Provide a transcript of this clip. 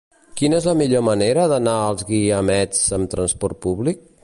Quina és la millor manera d'anar als Guiamets amb trasport públic?